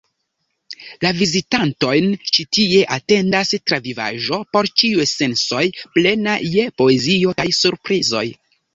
La vizitantojn ĉi tie atendas travivaĵo por ĉiuj sensoj, plena je poezio kaj surprizoj.